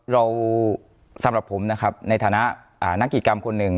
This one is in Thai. สำหรับผมนะครับในฐานะนักกิจกรรมคนหนึ่ง